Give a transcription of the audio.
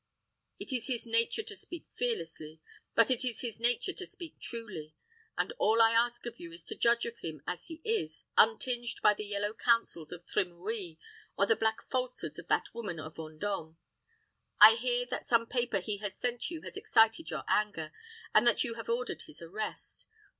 It is his nature to speak fearlessly, but it is his nature to speak truly; and all I ask of you is to judge of him as he is, untinged by the yellow counsels of Trimouille, or the black falsehoods of that woman of Vendôme. I hear that some paper he has sent you has excited your anger, and that you have ordered his arrest.